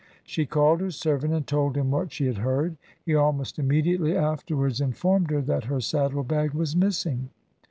She called her servant and told him what she had heard. He almost immediately afterwards in formed her that her saddle bag was missing.